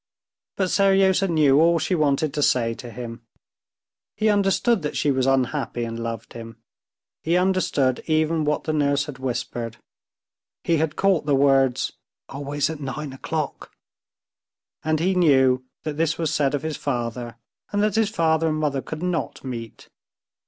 But Seryozha knew all she wanted to say to him. He understood that she was unhappy and loved him. He understood even what the nurse had whispered. He had caught the words "always at nine o'clock," and he knew that this was said of his father, and that his father and mother could not meet.